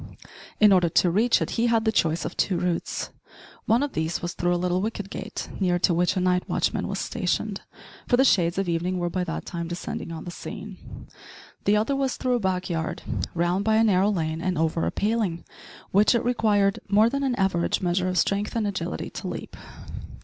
In order to reach it he had the choice of two routes. One of these was through a little wicket gate, near to which a night watchman was stationed for the shades of evening were by that time descending on the scene, the other was through a back yard, round by a narrow lane and over a paling, which it required more than an average measure of strength and agility to leap.